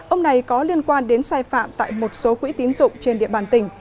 ông này có liên quan đến sai phạm tại một số quỹ tín dụng trên địa bàn tỉnh